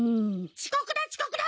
ちこくだちこくだ！